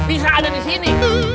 bisa ada di sini